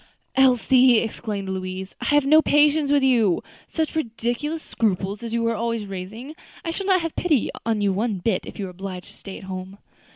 "Elsie," exclaimed Louise, "I have no patience with you! such ridiculous scruples as you are always raising. I shall not pity you one bit, if you are obliged to stay at home."